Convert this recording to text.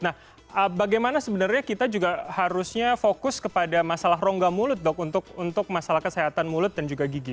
nah bagaimana sebenarnya kita juga harusnya fokus kepada masalah rongga mulut dok untuk masalah kesehatan mulut dan juga gigi